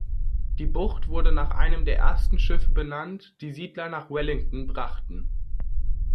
Die Bucht wurde nach einem der ersten Schiffe benannt, die Siedler nach Wellington brachten.